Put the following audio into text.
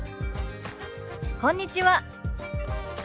「こんにちは」。